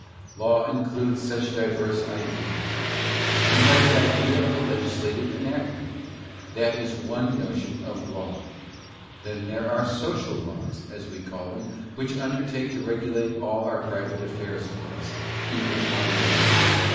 Law includes such diverse ideas. We have the idea of a legislative enactment. That is one notion of Law. Then there are " social laws," as we call them, which undertake to regulate all our private affairs for us, even our morals.